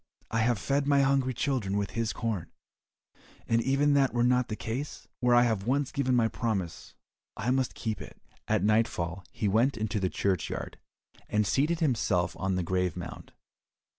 I have fed my hungry children with his corn, and even if that were not the case, where I have once given my promise I must keep it." At nightfall he went into the churchyard, and seated himself on the grave mound.